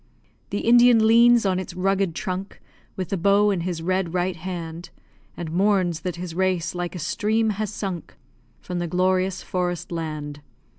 The Indian leans on its rugged trunk, With the bow in his red right hand, And mourns that his race, like a stream, has sunk From the glorious forest land.